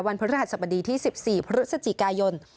วันพฤศจิกายนที่๑๔พฤศจิกายน